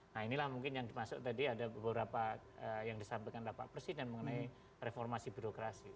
nah inilah mungkin yang dimaksud tadi ada beberapa yang disampaikan bapak presiden mengenai reformasi birokrasi